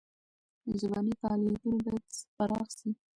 ژبني فعالیتونه باید پراخ سي.